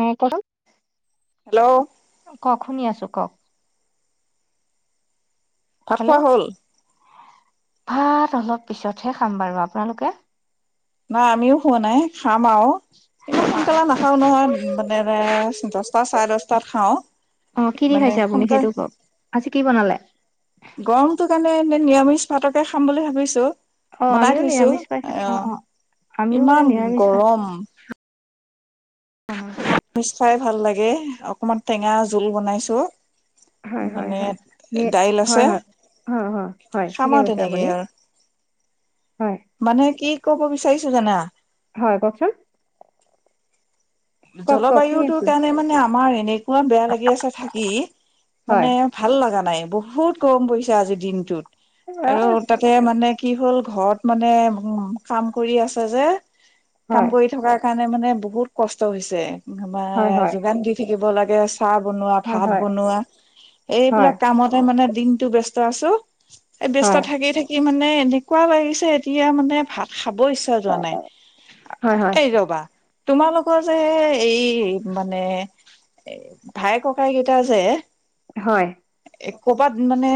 অ কত হেল্ল' কওক শুনি আছো কওক। ভাত খোৱা হেল্ল' হ'ল? ভাত অলপ পিছতহে খাম বাৰু। আপোনালোকে? নাই আমিও খোৱা নাই খাম আও। ইমান সোনকালে নাখাও নহয় মানে দছটা চাৰে দশটাত খাও। অ কি দি খাইছে আপুনি সেইটো কওক, আজি কি বনালে? গৰমটো কাৰণে এনে নিৰামিষ ভাতকে খাম বুলি ভাবিছো। অ বনাই আমিও থৈছো নিৰামিষ পাই অ আহ অ আমিও মানে ইমান নিৰামিষ গৰম। অ [unintelligible] মিছ খাই ভাল লাগে অকমান টেঙা জোল বনাইছো। হয় হয় মানে দাইল আছে হয় হয় খাম ঠিকে আৰু কৈছে তেনেকে আপুনি। আৰু [inaudible] মানে কি ক'ব বিচাৰিছো জানা? হয় কওকচোন। কওক কওক শুনি জলবায়ুটো আছো কাৰণে মানে আমাৰ [unintelligible] কমান বেয়া লাগি আছে থাকি মানে হয় ভাল লগা নাই। বহুত গৰম পৰিছে আজিৰ দিনটোত আৰু হয় তাতে মানে কি হ'ল ঘৰত মানে উ কাম কৰি আছে যে কাম হয় কৰি থকাৰ কাৰণে মানে বহুত কষ্ট হৈছে হয় আমাৰ হয় যোগান দি থাকিব লাগে। চাহ বনোৱা হয় ভাত হয় বনোৱা এইবিলাক কামতে মানে দিনতটো ব ব্যস্ত আছো। ব্যস্ত হয় থাকি থাকি মানে এনেকুৱা লাগিছে এতিয়া মানে ভাল [unintelligible] খাব ইচ্ছা যোৱা নাই হয় হয় ৰবা তোমোক [unintelligible] কোৱা যে এই মানে এ ভাইককাই কেইটা যে হয় [unintelligible] ক'বাত মানে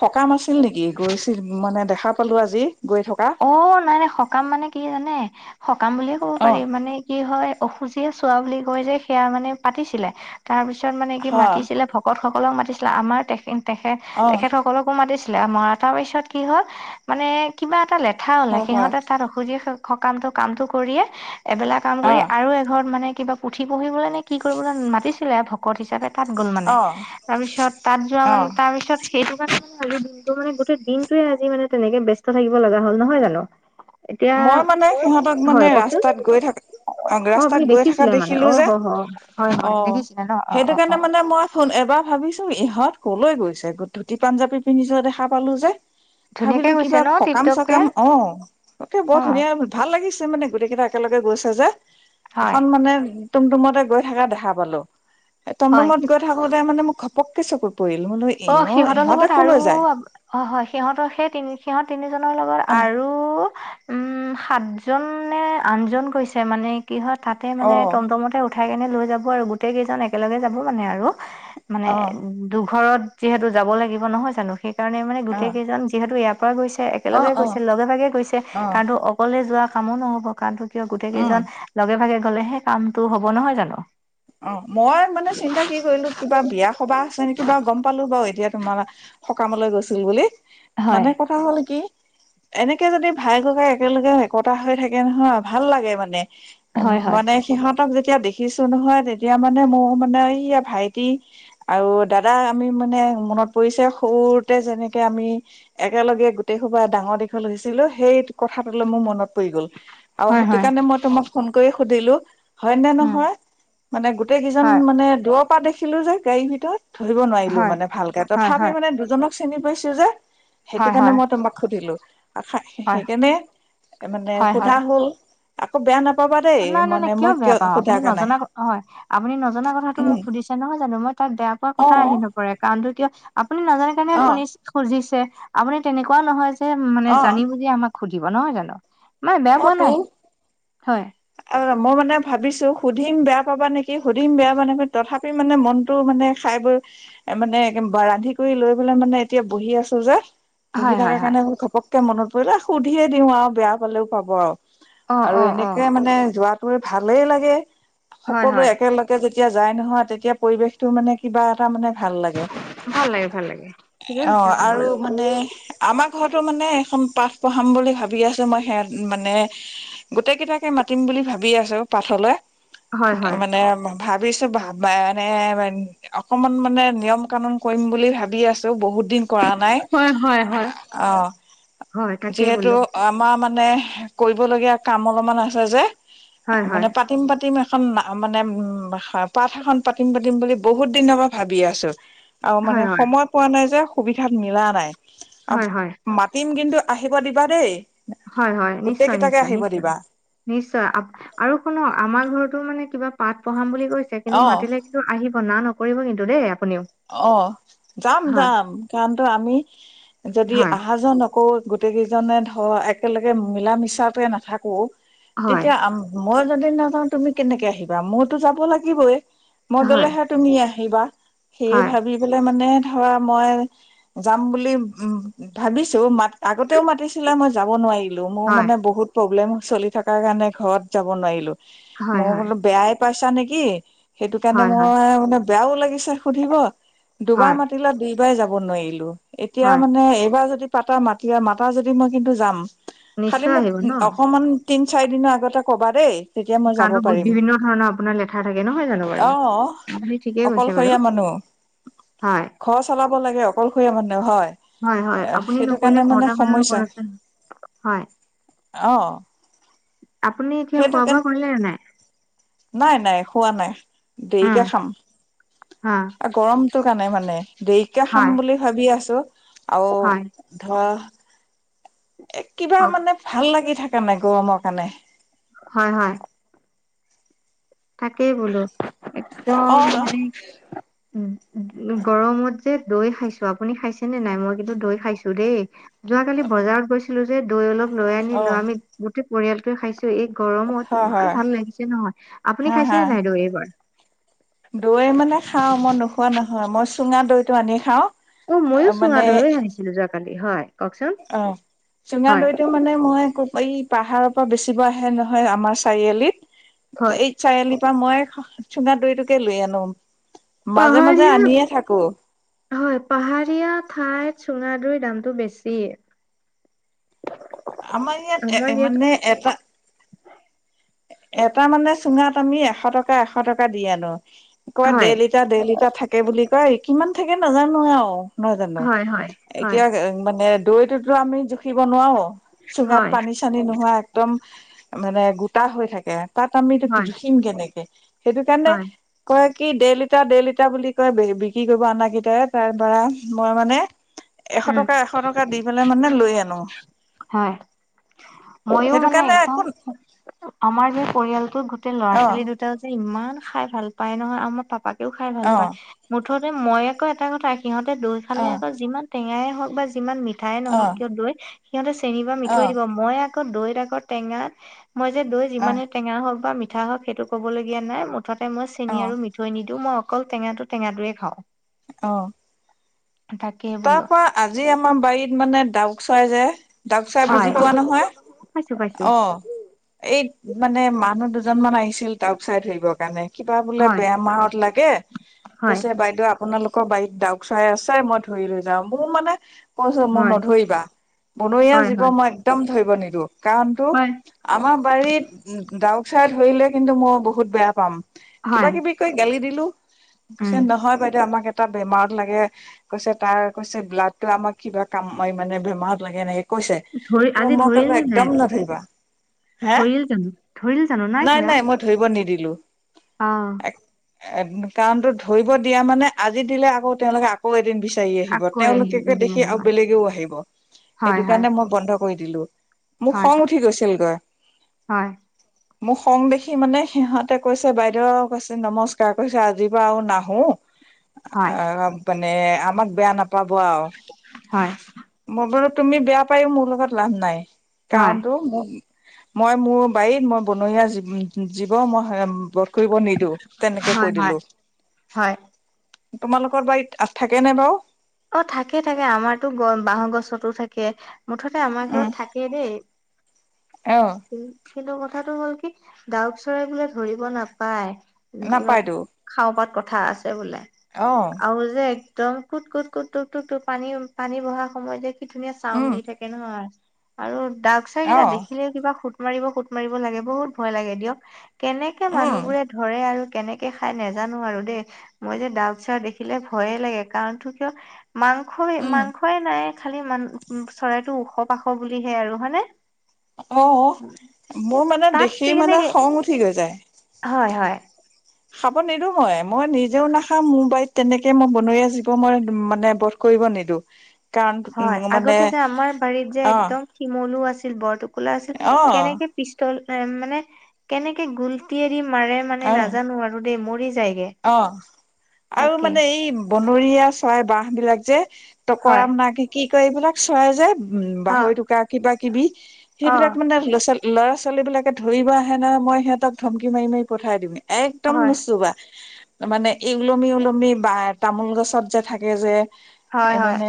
সকাম আছিল নেকি গৈছিল মানে দেখা পালো আজি গৈ থকা অ নাই নাই সকাম মানে কি জানে সকাম বুলিয়ে ক'ব অ পাৰি মানে কি হয় অসুজিয় চোৱা বুলি কয় যে সেয়া মানে পাতিছিলে তাৰ পিছত মানে কি হয় মাতিছিলে ভকত [unintelligible] সকলক মাতিছিলা আমাৰ তেখ তেখেত অ তেখেতসকলকো মাতিছিল ছিল মৰা তাৰ পিছত কি হ'ল মানে কিবা এটা লেঠা ওলাই হয় হয় সিহঁতে তাত অঔসুধিয়ে [unintelligible] সকামটো কামটো কৰিয়ে এবেলা কাম অ কৰি আৰু এঘৰত মানে কিবা পুথি পঢ়িবলৈ নে কি কৰিবলৈ মাতিছিলে ভকত হিচাপে [unintelligible] তাত গ'ল মানে অ তাৰপিছত তাত যোৱা অ মানে তাৰপিছত সেইটো কাৰণে [unintelligible] আজি দিনটো মানে গোটেই দিনটোয়ে আজি মানে তেনেকে ব্যস্ত থাকিব লগা হল নহয় জানো [unintelligible] মই মানে সিহঁতক হয় মানে কওকচোন ৰাস্তাত গৈ থাকো অ ৰাস্তাত আপুনি গৈ থকা দেখিছিলে মানে দেখিলো অ যে হ হ হয় অ হয় দেখিছিলে ন অ সেইটো অ অ কাৰণে মানে মই ফোন এবাৰ ভাবিছো ইহঁত ক'লৈ গৈছে ধুতি পাঞ্জাবী পিন্ধিছো দেখা পালো যে [unintelligible] ধুনীয়াকে ভাবিলো গৈছে কিবা ন টিপ সকাম টপকে চকাম অ তে অ বৰ ধুনীয়া ভাল লাগিছে মানে গোটেই কেইটা একেলগে গৈছে যে হয় এখন মানে মডুমতে গৈ থকা দেখা পালো হয় টুমডুমত গৈ থাকোতে মানে মোক ঘপককৈ চকু [unintelligible] অ সিহঁতৰ লগত আৰু অ হয় সিহঁতৰ সেই তিনি সিহত তিনি জনৰ লগত অ', আৰু উম সাতজনে আনজন গৈছে মানে কি হয় তাতে মানে অ', টমটমতে উঠাই কেনে লৈ যাব আৰু গোটেই কেইজন একেলগে যাব মানে আৰু [unintelligible] মানে অ', দুঘৰত যিহেতু যাব লাগিব নহয় জানো সেই [unintelligible] সেইকাৰণে মানে গোটেই অ', কেইজন যিহেতু ইয়াৰ পৰা গৈছে অ', একেলগে অ', গৈছে লগে ভাগেই গৈছে অ', কাৰণো অকলে যোৱা কামো নহব কাৰণো কিয় গোটেই উম, কেইজন লগে ভাগে গলে সেই কামটো হব নহয় জানো [unintelligible] অ মই মানে চিন্তা কি কৰিলো কিবা বিয়া সবাহ আছে নে কিবা গম পালো বাৰু এতিয়া তোমাৰ সকামলৈ গৈছিল বুলি হয় মানে কথা হ'ল কি এনেকে যদি ভাই ককাই একেলগে একতা হৈ থাকে নহয় ভাল লাগে মানে উম হয় হয় মানে সিহঁতক যেতিয়া দেখিছো নহয় তেতিয়া মানে মোৰ মানে এই ভাইটি আৰু দাদা আমি মানে মনত পৰিছে সৰুতে যেনেকে আমি একেলগে গোটেই সোবা ডাঙৰ দিঘলৈ আহিছিলো সেই কথাটোলৈ মোৰ মনত [unintelligible] হৈগল আও হয় হেতু হয় কাৰনে মই ফোন কৰি সুধিলোঁ হয় নে উম নহয় মানে গোটেই কেইজন হয় মানে দূৰৰ পৰা দেখিলো যে গাড়ীৰ ভিতৰত ধৰিব নোৱাৰিলো হয় মানে ভালকে হয় তথাপি হয় মানে দুজনক চিনি পাইছো যে হয় সেইটো কাৰণে হয় মই তোমাক সুধিলো হয় সেইকাৰণে মানে হয় হয় সোধা হল আকৌ বেয়া নাপা পাবা দেই নাই নাই নাই মানে মই বেয়া কিয় পাওঁ আপুনি সোধা ক নাই নজনা হয় [unintelligible] আপুনি নজনা কথাতো মোক সুধিছে নহয় জানো মই তাক বেয়া পোৱা অ কথা আহি নপৰে কাৰণো কিয় [unintelligible] আপুনি নাজানে কাৰণে অ শুনি খুজিছে আপুনি তেনেকুৱা নহয় যে মানে অ জানি বুলি আমাক [unintelligible] সুধিব নহয় জানো মান বেয়া পোৱা নাই হয় [unintelligible] মইনে ভাবিছো সুধিম বেয়া পাবা নেকি সুধিম বেয়া পাবা নেকি তথাপি [unintelligible] কৰি মানে মনতটো মানে খাই বৈ এ মানে ৰান্ধি কৰি লৈ পেলাই মানে এতিয়া বহি আছো যে [unintelligible] পঢ়ি হয় হয় থাকাৰ হয় কাৰণে মই ঘপককে মনত পৰিলে সুধিয়ে দিওঁ আৰু বেয়া পালেও পাব আৰু অ আৰু অ অ এনেকে মানে যোৱাত ভালেই লাগে হয় সকলো হয় একেলগে যদি তেতিয়া যাই নহয় তেতিয়া পৰিবেশতটো মানে কিবা এটা মানে ভাল লাগে ভাল লাগে ভাল লাগে ঠিকে অ কৈছে আপুনি আৰু বাৰু মানে আমাৰ ঘৰতো মানে এখন পাঠ পঢ়াম বুলি ভাবি আছো মই সেয়া মানে গোটেই কেইটাকে মাতিম বুলি ভাবি আছো পাঠলৈ হয় হয় মানে ভাবিছো ভাব এনে অকমান মানে নিয়ম কানুন কৰিম বুলি ভাবি আছো ব হয় হয় হয় হয় তাকেই বোলো অ মানে কৰিবলগীয়া কাম অলপমান আছে যে হয় হয় মানে পাতিম পাতিম খন মানে উ পাঠ এখন পাতিম পাতিম বুলি বহুত দিনৰ পৰা ভাবি আছো আৰু হয় মানে হয় সময় পোৱা নাই যে সুবিধাত মিলা নাই হয় হয় মাতিম কিন্তু আহিব দিবা দেই হয় হয় গোটেই নিশ্চয় কেইটাকে নিশ্চয় আহিব নিশ্চয় দিবা নিশ্চয় আৰু শুনক আমাৰ ঘৰতো মানে কিবা পাঠ পঢ়াম বুলি গৈছে কিন্তু অ মাতিলে কিন্তু আহিব না নকৰিব কিন্তু দেই আপুনিও অ যাম হয় যাম কাৰণ তো আমি যদি হয় অহা যোৱা আকৌ গোটেই কেইজনে ধৰ একেলগে মিলা মিছাতে নাথাকো হয় তেতিয়া মই যদি নাযাওঁ তুমি কেনেকে আহিবা মইতো যাব লাগিবই মই হয় গ'লেহে তুমি আহ আহিবা সে হয় ভাবি পেলাই মানে ধৰা মই যাম বুলি উম ভাবিছো মা আগতেও মাতিছিলে মই যাব নোৱাৰিম। মোৰ হয় মানে বহুত প্ৰব্লেম চলি থকাৰ কাৰণে ঘৰত যাব নোৱাৰিলো। হয় মই হয় বোলো বেয়াই পাইছা নেকি সেইটো কাৰণে হয় হয় মই মানে বেয়াও লাগিছে সুধিব দুবাৰ হয় মাতিলে দুইবাৰ যাব নোৱাৰিলো এতিয়া হয় মানে এইবাৰ যদি পাতা মাতা মাতিলে যাম। খালি নিশ্চয় মোক আহিব ন অকমান তিন চাৰিদিনৰ আগতে ক'বা দেই তেতিয়া মই যাব কালো পাৰিম বিভিন্ন ধৰণৰ আপোনাৰ লেঠাৰ থাকে নহয় জানো অ বাৰু আপুনি ঠিকেই কৈছে অকলশৰীয়া বাৰু মানুহ হয় ঘৰ চলাব লাগে অকলশৰীয়া মানে হয়। হয় হয় আপুনি সেইটো নকৰিলে কাৰণে মানে কটা মানৰ লগত আছে হয় আহ আপুনি এতিয়া খোৱা বোৱা কৰিলে নাই? নাই নাই খোৱা নাই দেৰিকে উম খাম। হয় গৰমটো কাৰণে মানে দেৰিকে খাম হয় বুলি ভাবি আছো। আও হয় ধৰা এ কিবা হয় মানে ভাল লাগি থাকা নাই গৰমৰ কাৰণে হয় হয় থাকেই বোলো একদম অ ন মানে উ গৰমত যে দৈ খাইছো আপুনি খাইছেনে নাই? মই কিন্তু দৈ খাইছো দেই যোৱাকালি বজাৰত গৈছিলো যে দৈ অলপ লৈ অ আনিলো আমি গোটেই পৰিয়ালটে খাইছো এই গৰমত হয় ইমান হয় ভাল লাগিছে নহয়। আপুনি হা হা খাইছেনে নাই দৈ এইবাৰ দৈ মানে খাও মই নোখোৱা নহয় মই চুঙা দৈটো আনি খাও অ ময়ো চোঙা দৈয়ে আহিছিলো যোৱাকালি হয়। কওকচোন অ চুঙা হয় দৈটো মানে মই কোপ এই পাহাৰৰ পৰা বেচিব আহে নহয় আমাৰ চাৰিআলিত হয় এই চাৰিআলিৰ পৰা মই চুঙা দৈটোকে লৈ আনো মাজে মাজে পাহাৰীয়া আনিয়ে থাকো। খাই চুঙা দৈ দামটো বেছি। আমাৰ ইয়াত এ মানে এটা এটা মানে চুঙাত আমি এশ টকা এশ টকা দি আনো। কৰবাত হয় দেৰলিটাৰ, দেৰ লিটাৰ থাকে বুলি কয় কিমান থাকে নাজানো আৰু [unintelligible] নহয় জানো হয় হয় হয় এতিয়া মানে দৈটোতো আমি জুখিব নোৱাৰো। চুঙাত হয় পানী চানী নোহোৱা একদম মানে গোটা হৈ থাকে। তাত আমি হয় জুখিম কেনেকে সেইটো কাৰণে হয় কয় কি দেৰ লিটাৰ দেৰ লিটাৰ বুলি কয় বিক্ৰী কৰিব আনা কেইটাৰে তাৰ পৰা মই মানে [unintelligible] এশ উম টকা এশ টকা দি পেলাই মানে লৈ আনো। হয় মইও সেইটো মানে কাৰণে একদম একো আমাৰ যে পৰিয়ালটো গো ল'ৰা অ ছোৱালী দুটা যে ইমান খাই ভাল পায় নহয় আৰু মই পাপাকেও খাই ভাল অ পায় মোৰ মুথতে মই আকৌ এটা কথা সিহঁতে দৈ অ খালে আকৌ যিমান টেঙাই হওক বা যিমান মিঠা [unintelligible] মিঠাই অ নহওক কিয় দৈ সিহঁতে চেনি বা অ মিঠাই দিব। মই আকৌ দৈত আকৌ টেঙা মই যে দৈ অ যিমানহে টেঙা হওক বা মিঠা হওক সেইটো ক'বলগীয়া নাই মুথতে মই চেনি অ আৰু মিঠৈ নিদিওঁ মই অকল টেঙাটো টেঙাটয়ে খাওঁ। [unintelligible] অ তাকে তাৰ বোলো পৰা আজি আমাৰ বাৰীত মানে ডাউক চৰাই যে, ডাউক চৰাই হয় বুজি পোৱা নহয়। পাইছো পাইছো [unintelligible] অ এই মানে মানুহ দুজন মান আহিছিল ডাউক চৰাই ধৰিবৰ কাৰণে। কিবা বোলে হয় বেমাৰত লাগে হয় কৈছে বাইদেউ আপোনালোকৰ বাৰীত ডাউক চৰাই আছে মই [unintelligible] ধৰি লৈ যাওঁ। মোৰ মানে কৈছো মোৰ হয় নধৰিবা বনৰীয়া হয় জীৱ হয় মই একদম [unintelligible] নিদো কাৰণটো হয় আমাৰ বাৰিত ডাউক চয়াই ধৰিলে কিন্তু মই বহুত বেয়া পাম কিবা হয় কিবি কৈ গালি দিলো। [unintelligible] উম পিছে নহয় বাইদেউ আমাক এটা বেমাৰত লাগে। কৈছে তাৰ কৈছে ব্লাডটো আমাক কিবা কাম মানে বেমাৰত লাগে এনেকে। কৈছে। ধৰি আজি মই ধৰিল কলো নে একদম নাই আকৌ? নধৰিবা। হা ধৰিল জানো ধৰিল জানো নাই ধৰা নাই মই ধৰিব নিদি লো। অ' কাৰনটো ধৰিব দিয়া মানে আজি দিলে আকৌ তেওঁলোকে আকৌ এদিন বি চাৰি আহিব আকৌ আহিম তেওঁলোকেকে এদিন দেখি আৰু আহিবা বেলেগেও আহিব। হয় সেইটো হয় কাৰণে মই বন্ধ কৰি দিলো। [unintelligible] মোক হয় খং উঠি গৈছিলগৈ। হয় মোক খং দেখি মানে সিহঁতে কৈছে বাইদেউ কৈছে নমস্কাৰ কৈছে আজিৰ পৰা আৰু নাহো। হয় আহ মানে আমাক বেয়া নাপাব আৰু। হয় মই বু তুমি বেয়া পায়ও মোৰ লগত লাভ নাই। হয় কাৰণটো মোৰ মই মোৰ বাৰীত মই বনৰীয়া জী জীৱ মই কৰিব নিদিওঁ। তেনেকে কৈ হয় দিলো হয় হয় তোমালোকৰ বাৰিত থাকে নাই বাৰু? অ থাকে থাকে আমাৰটো বাঁহৰ গছতো থাকে। মুঠতে আমাৰ উম ঘৰত থাকেই দেই। অ কিন্তু কথাটো হ'ল কি ডাউক চৰাই বোলে ধৰিব নাপায়। কিবা নাপায়তো খাওঁ পাত কথা আছে বোলে। অ আৰু যে একদম কোত কোত টুক টুক টুক টুক পানী পানী বহা সময়ত যে কি ধুনীয়া চাউড উম দি থাকে নহয়। আৰু [unintelligible] দাক অ চাইকেইটা দেখিলে কিবা সুত মাৰিব সুত মাৰিব লাগে বহুত ভয় লাগে দিয়ক। [unintelligible] কেনেকে উম মানুহবোৰে ধৰে আৰু কেনেকে খাই নাজানো আৰু দেই, মই যে ডাউক চৰাই দেখিলে ভয়ে লাগে কাৰণটো কিয়, [unintelligible] মাংস উম মাংসই নাই খালি মান চৰাইটো ওখ পাখ বুলিহে আৰু হয়নে। [unintelligible] অ, মোৰ মানে তাত দেখি মানে কেনেকে খং উঠি গৈ যায় [unintelligible] হয় হয় খাব নিদো মই। মই নিজেও নাখাম, মোৰ বাৰীত তেনেকে মই বনৰীয়া জীৱ মই মানে বধ কৰিব নিদো। [unintelligible] কাৰণ হয় মানে আগতে যে আমাৰ বাৰীত যে অ একদম শিমলু আছিল, বৰটোকোলা আছিল, অ কেনেকে পিষ্টল মানে কেনেকে গুলটি এৰি মাৰে মানে অ নাজানো আৰু দেই মৰি [unintelligible] অ আৰু তাকে মানে এই বনৰীয়া চৰাই বাঁহ বিলাক যে হয় কৰাম না কি কয় এইবিলাক চৰাই যে। উম অ বাহৰি টোকা কিবা কিবি অ সেইবিলাক মানে ল'ৰা ছোৱালী ল'ৰা ছোৱালী বিলাকে ধৰিব আহে নহয় মই সিহঁতক ধমকি মাৰি মাৰি পঠাই দিম। একদম হয় নুচুবা। মানে ই ওলমি ওলমি বা তামোল গছত যে থাকে যে, হয় এই হয় মানে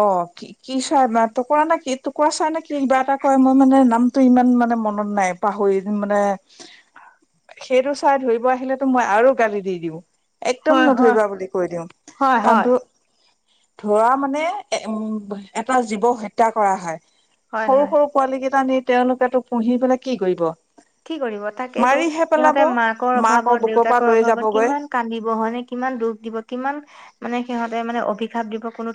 অ, কি কি চৰাই বাস, টুকুৰা নে কি টুকুৰা চাই নে কি কিবা এটা কয় মই মানে নামটো ইমান মানে মন ত নাই পাহৰি মানে সেইটো চাই ধৰিব আহিলেতো মই আৰু গালি দি দিওঁ। একদম হয় হয় নধৰিবা বুলি কৈ দিওঁ হয় হয় কাৰণটো ধৰা মানে, উম এটা জীৱক হত্যা কৰা হয় হয় সৰু হয় সৰু পোৱালি কেইটা নি তেওঁলোকেতো পুহি পেলাই কি কৰিব। কি কৰিব তাকেইেতো মাৰিহে সিহঁতে পেলাব। মাকৰ অভাৱত, বুকৰ পৰা দেউতাকৰ লৈ অভাৱত, যাবগৈ কিমান কান্দিব হয়নে কিমান দুখ দিব কিমান মানে সিহঁতে মানে অভিশাপ দিব কোনো